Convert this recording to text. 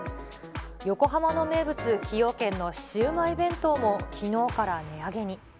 横浜の名物、崎陽軒のシウマイ弁当もきのうから値上げに。